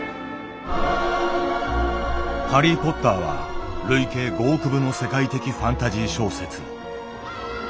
「ハリー・ポッター」は累計５億部の世界的ファンタジー小説。